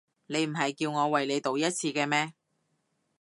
你唔係叫我為你賭一次嘅咩？